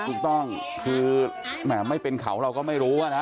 ถูกต้องคือแหมไม่เป็นเขาเราก็ไม่รู้อะนะ